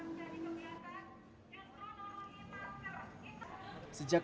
menjadi nyumliakan ekonomi masyarakat